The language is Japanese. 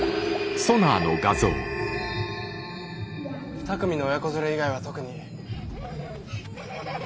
２組の親子連れ以外は特に。